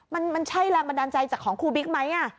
มันใช่แรงบันดาลใจจากของครูบิ๊กไหม